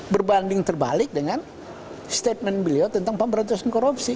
berbanding terbalik dengan statement beliau tentang pemberantasan korupsi